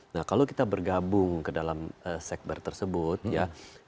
nah kalau kita bergabung ke dalam segber tersebut ya dan secara resmi kita bergabung secara